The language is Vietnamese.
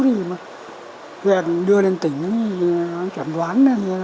thì đưa lên tỉnh trảm đoán